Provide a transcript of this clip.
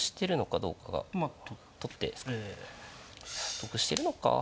得してるのか。